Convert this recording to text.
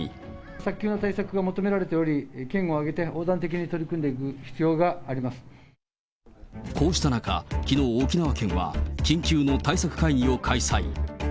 早急な対策が求められており、県を挙げて横断的に取り組んでいこうした中、きのう、沖縄県は緊急の対策会議を開催。